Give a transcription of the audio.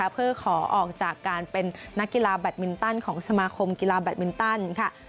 เพื่อขอออกจากการเป็นนักกีฬาแบตมินตันของสมาคมกีฬาแบตมินตันค่ะ